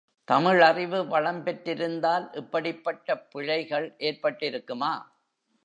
தமிழறிவு வளம்பெற்றிருந்தால், இப்படிப்பட்ட பிழைகள் ஏற்பட்டிருக்குமா?